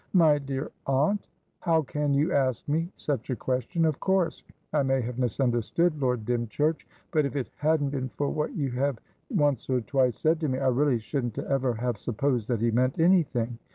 "My dear aunt! How can you ask me such a question? Of course I may have misunderstood Lord Dymchurch, but, if it hadn't been for what you have once or twice said to me, I really shouldn't ever have supposed that he meant anything.